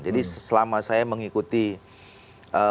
jadi selama saya mengikuti proses